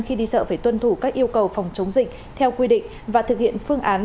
khi đi chợ phải tuân thủ các yêu cầu phòng chống dịch theo quy định và thực hiện phương án